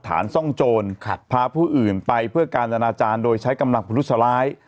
ซ่องโจรพาผู้อื่นไปเพื่อการอนาจารย์โดยใช้กำลังพลุสร้าย